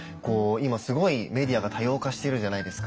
今すごいメディアが多様化してるじゃないですか。